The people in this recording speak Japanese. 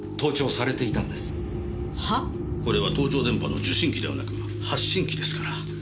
これは盗聴電波の受信機ではなく発信機ですから。